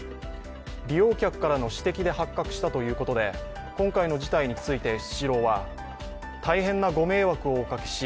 利用客からの私的で発覚したということで今回の事態についてスシローは大変なご迷惑をおかけし